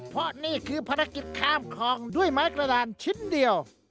เพราะนี่คือภารกิจข้ามคลองด้วยไม้กระดานชิ้นเดียว